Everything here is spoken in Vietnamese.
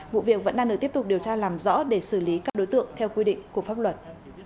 vụ việc vẫn đang được tiếp tục điều tra làm rõ để xử lý các đối tượng theo quy định của pháp luật